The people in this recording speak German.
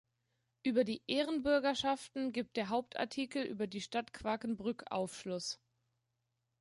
Über die Ehrenbürgerschaften gibt der Hauptartikel über die Stadt Quakenbrück Aufschluss.